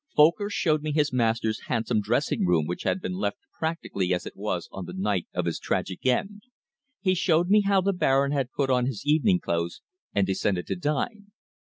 Folcker showed me his master's handsome dressing room which had been left practically as it was on the night of his tragic end. He showed me how the Baron had put on his evening clothes and descended to dine.